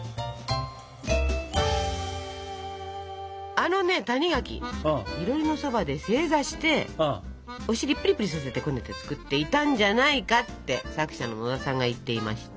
あのね谷垣「囲炉裏のそばで正座してお尻ぷりぷりさせてこねて作っていたんじゃないか」って作者の野田さんが言っていました。